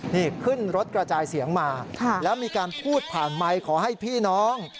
นี่ขึ้นรถกระจายเสียงมาแล้วมีการพูดผ่านไมค์ขอให้พี่น้อง